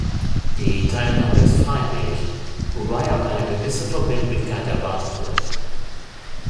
Die Teilnahme ist freiwillig, wobei aber eine gewisse Verbindlichkeit erwartet wird.